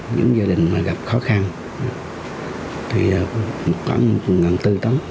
những gia đình gặp khó khăn thì khoảng một bốn trăm linh tấn